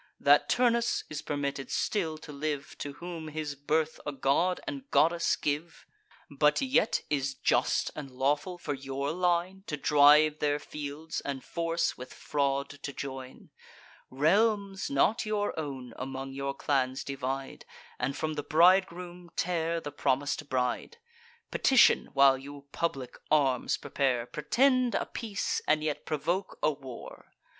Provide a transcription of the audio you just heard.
That Turnus is permitted still to live, To whom his birth a god and goddess give! But yet is just and lawful for your line To drive their fields, and force with fraud to join; Realms, not your own, among your clans divide, And from the bridegroom tear the promis'd bride; Petition, while you public arms prepare; Pretend a peace, and yet provoke a war!